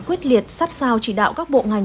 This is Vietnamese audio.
quyết liệt sát sao chỉ đạo các bộ ngành